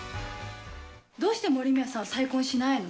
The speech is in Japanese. どうして森宮さんは再婚しないの？